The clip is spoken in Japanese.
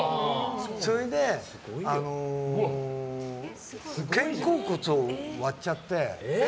それで、肩甲骨を割っちゃって。